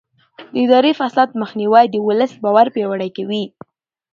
د اداري فساد مخنیوی د ولس باور پیاوړی کوي.